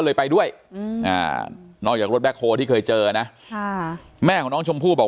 เลยไปด้วยนอกจากรถแบ็คโฮที่เคยเจอนะแม่ของน้องชมพู่บอก